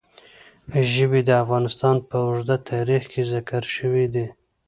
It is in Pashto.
ژبې د افغانستان په اوږده تاریخ کې ذکر شوي دي.